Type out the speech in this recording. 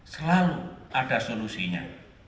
selalu ada solusinya